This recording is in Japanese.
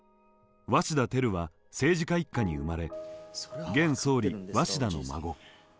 鷲田照は政治家一家に生まれ現総理鷲田の孫。